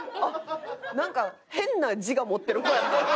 なんか変な自我持ってる子やな。